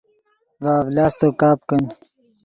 ڤے اڤلاستو کپ کن